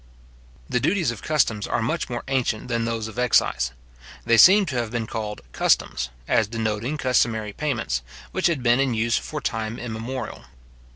The duties of customs are much more ancient than those of excise. They seem to have been called customs, as denoting customary payments, which had been in use for time immemorial.